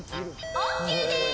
ＯＫです。